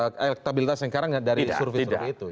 ketabilitas yang sekarang dari survei survei itu